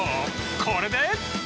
これで。